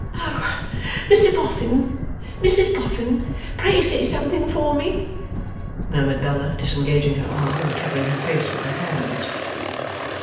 'Oh, Mr Boffin! Mrs Boffin, pray say something for me!' murmured Bella, disengaging her arm, and covering her face with her hands.